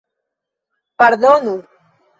Pardonu!